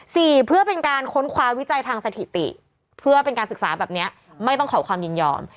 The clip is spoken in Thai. เพื่อเป็นการค้นคว้าวิจัยทางสถิติเพื่อเป็นการศึกษาแบบนี้ไม่ต้องขอความยินยอม